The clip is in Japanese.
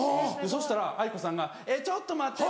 そしたらａｉｋｏさんが「えっちょっと待って。